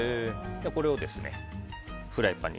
これをフライパンに。